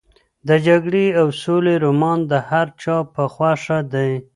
د جګړې او سولې رومان د هر چا په خوښه دی.